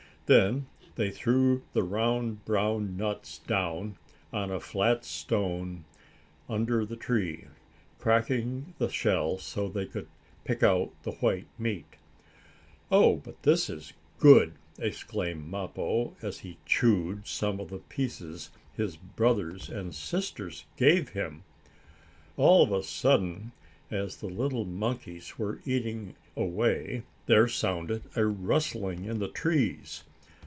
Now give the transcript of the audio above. Then they threw the round brown nuts down on a flat stone under the tree, cracking the shell so they could pick out the white meat. "Oh, but this is good!" exclaimed Mappo, as he chewed some of the pieces his brothers and sisters gave him. All of a sudden, as the little monkeys were eating away, there sounded a rustling in the trees.